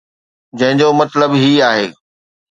جنهن جو مطلب هي آهي.